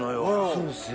そうですね